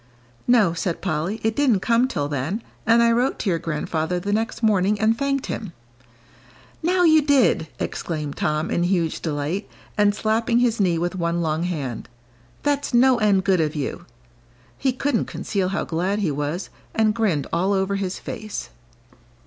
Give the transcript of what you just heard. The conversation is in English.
"No," said Polly, "it didn't come till then. And I wrote to your grandfather the next morning and thanked him." "Now you did!" exclaimed Tom, in huge delight, and slapping his knee with one long hand. "That's no end good of you." He couldn't conceal how glad he was, and grinned all over his face.